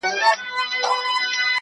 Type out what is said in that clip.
ه زه تر دې کلامه پوري پاته نه سوم.